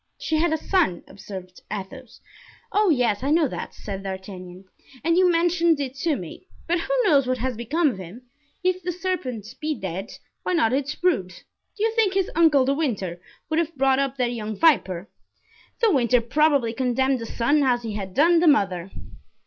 "She had a son," observed Athos. "Oh! yes, I know that," said D'Artagnan, "and you mentioned it to me; but who knows what has become of him? If the serpent be dead, why not its brood? Do you think his uncle De Winter would have brought up that young viper? De Winter probably condemned the son as he had done the mother."